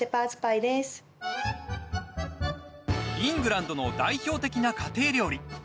イングランドの代表的な家庭料理。